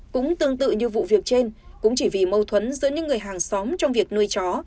cũng tương tự như vụ việc trên cũng chỉ vì mâu thuẫn giữa những người hàng xóm trong việc nuôi chó